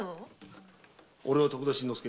俺は徳田新之助。